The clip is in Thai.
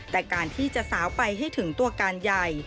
แต่การที่จะสาวไปให้ถึงตัวการใหญ่